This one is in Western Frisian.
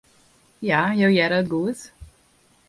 Ja, jo hearre it goed.